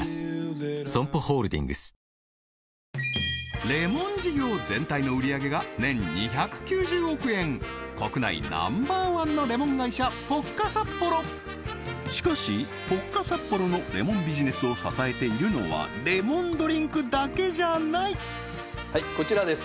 ＳＯＭＰＯホールディングスレモン事業全体の売上げが年２９０億円しかしポッカサッポロのレモンビジネスを支えているのはレモンドリンクだけじゃない！